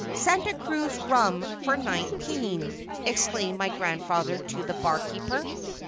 "Santa Cruz rum for nineteen," exclaimed my grandfather to the barkeeper.